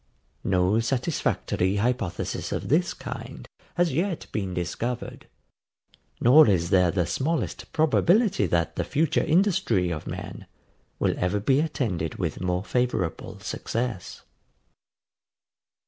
No satisfactory hypothesis of this kind has yet been discovered; nor is there the smallest probability that the future industry of men will ever be attended with more favourable success.